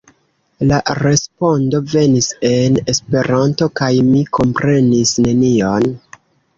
La respondo venis en Esperanto kaj mi komprenis nenion.